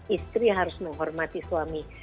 istri harus menghormati suami